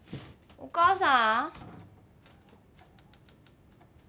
お母さん！